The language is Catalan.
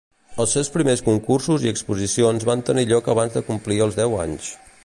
Els seus primers concursos i exposicions van tenir lloc abans de complir els deu anys.